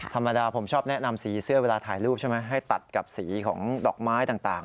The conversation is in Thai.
ธรรมดาผมชอบแนะนำสีเสื้อเวลาถ่ายรูปใช่ไหมให้ตัดกับสีของดอกไม้ต่าง